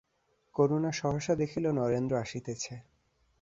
করুণা সহসা দেখিল নরেন্দ্র আসিতেছে।